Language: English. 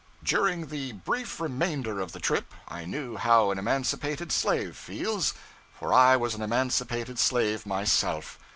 During the brief remainder of the trip, I knew how an emancipated slave feels; for I was an emancipated slave myself.